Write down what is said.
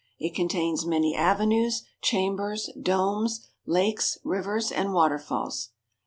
It contains many avenues, chambers, domes, lakes, rivers, and waterfalls.